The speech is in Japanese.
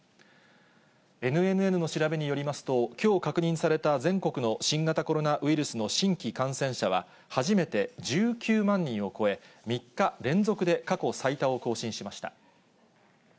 ＮＮＮの調べによりますと、きょう確認された全国の新型コロナウイルスの新規感染者は、初めて１９万人を超え、３日連続で過去最多を更新しました。